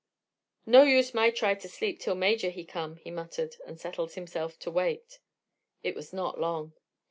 "No use my try to sleep 'til Major he come," he muttered, and settled himself to wait. It was not long.